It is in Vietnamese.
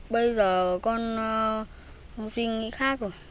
bây giờ con không suy nghĩ khác rồi